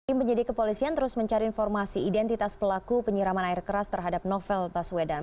tim penyidik kepolisian terus mencari informasi identitas pelaku penyiraman air keras terhadap novel baswedan